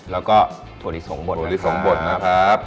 แล้วก็ตัวดิสงบดนะครับ